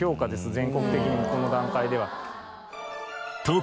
全国的にもこの段階では。